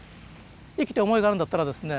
生きて思いがあるんだったらですね